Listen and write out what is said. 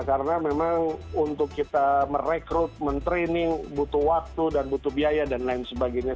karena memang untuk kita merekrut mentraining butuh waktu dan butuh biaya dan lain sebagainya